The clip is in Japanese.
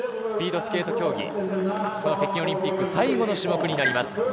スピードスケート競技、北京オリンピック最後の種目になります。